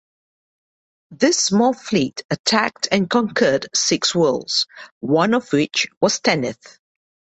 This small fleet attacked and conquered six worlds, one of which was Tanith.